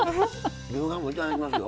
牛丸もいただきますよ。